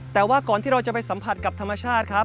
แต่ว่าก่อนที่เราจะไปสัมผัสกับธรรมชาติครับ